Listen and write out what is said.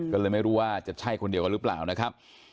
ก็เลยไม่รู้ว่าจะใช่คนเดียวกันหรือเปล่านะครับ